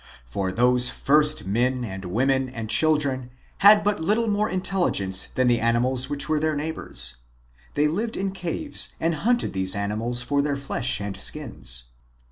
For those first men and women and children had but little more intelligence than the animals which were their neighbors. They lived in caves and hunted these animals for their flesh and skins.